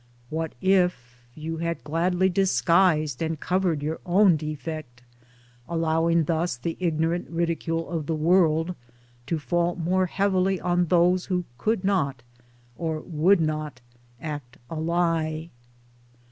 What if you had gladly disguised and covered your own * defect, allowing thus the ignorant ridicule of the world to fall more heavily on those who could not or would not act a lie